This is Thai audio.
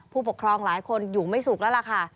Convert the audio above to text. ผู้ปกครองหลายคนอยู่ไม่สุขแล้วล่ะค่ะ